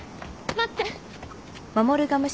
待って。